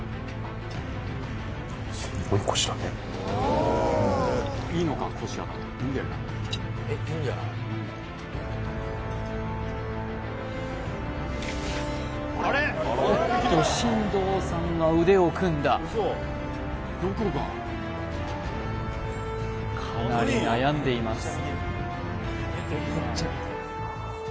おっと進藤さんが腕を組んだかなり悩んでいます